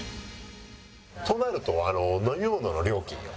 となると飲み物の料金よ。